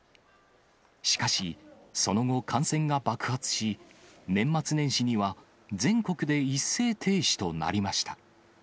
しかし、その後、感染が爆発し、年末年始には全国で一斉停止となりました。